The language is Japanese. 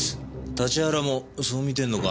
立原もそう見てんのか？